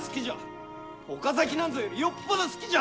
岡崎なんぞよりよっぽど好きじゃ！